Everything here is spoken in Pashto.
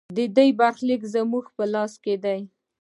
د دې برخلیک زموږ په لاس کې دی